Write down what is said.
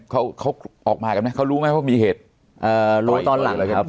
เขาเขาออกมากันไหมเขารู้ไหมว่ามีเหตุรู้ตอนหลังนะครับ